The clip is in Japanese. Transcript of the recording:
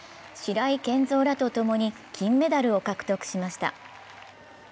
白井健三らとともに金メダルを獲得しました。